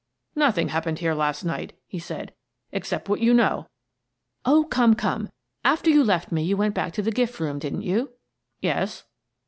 "Nothing happened here last night," he said, " except what you know." " Oh, come, come! After you left me, you went back to the gift room, didn't you?" " Yes."